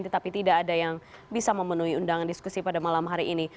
tetapi tidak ada yang bisa memenuhi undangan diskusi pada malam hari ini